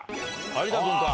有田君か。